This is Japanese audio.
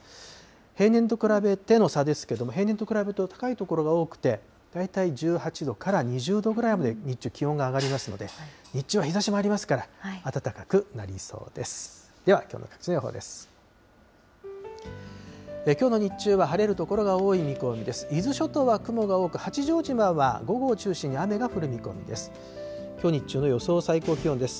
平年と比べての差ですけれども、平年と比べて高い所が多くて、大体１８度から２０度くらいまで日中、気温が上がりますので、日中は日ざしもありますから、暖かくなりそうです。